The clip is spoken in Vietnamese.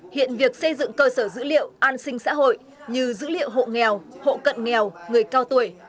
hiện việc xây dựng cơ sở dữ liệu an sinh xã hội như dữ liệu hộ nghèo hộ cận nghèo người cao tuổi